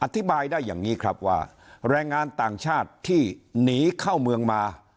อธิบายได้อย่างนี้ครับว่าแรงงานต่างชาติที่หนีเข้าเมืองมา